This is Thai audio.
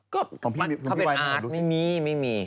ก็เข้าเป็นอาร์ตไม่มี